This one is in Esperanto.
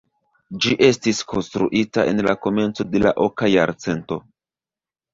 Ĝi estis konstruita en la komenco de la oka jarcento.